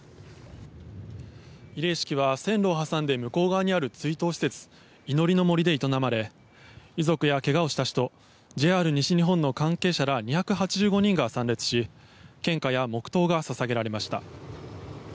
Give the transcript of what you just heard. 慰霊式は線路を挟んで向こう側にある追悼施設祈りの杜で営まれ遺族や怪我をした人ＪＲ西日本の関係者ら２８５人が参列し献花や黙祷が捧げられました。